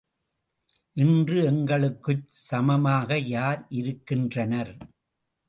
இன்று எங்களுக்குச் சமமாக யார் இருக்கின்றனர்?